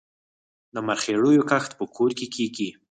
د مرخیړیو کښت په کور کې کیږي؟